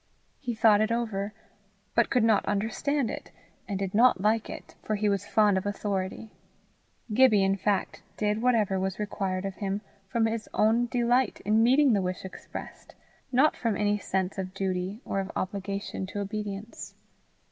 He thought it over, but could not understand it, and did not like it, for he was fond of authority. Gibbie in fact did whatever was required of him from his own delight in meeting the wish expressed, not from any sense of duty or of obligation to obedience.